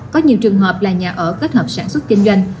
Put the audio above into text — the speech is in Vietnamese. có nhiều trường hợp là nhà ở kết hợp sản xuất kinh doanh